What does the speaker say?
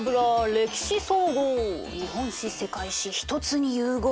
歴史総合日本史世界史一つに融合。